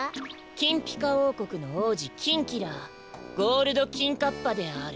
キンピカおうこくの王子キンキラゴールドキンカッパである！